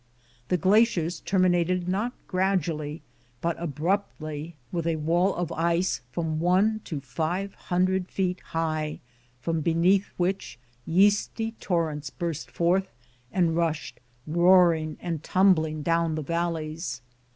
The glaciers terminated not gradually, but abruptly, with a wall of ice from one to five hundfred feet high, from be XZ3 FIRST SUCCESSFUL ASCENT, 1870 neath which yeasty torrents burst forth and rushed roaring and tumbling down the valleys.